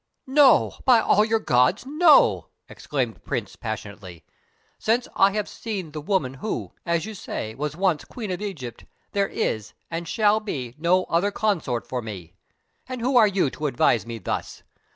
"No, by all your gods, no!" exclaimed the Prince passionately. "Since I have seen the woman who, as you say, was once Queen of Egypt, there is, and shall be, no other consort for me. And who are you to advise me thus?